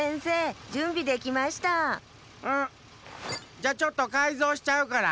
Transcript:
じゃちょっとかいぞうしちゃうから！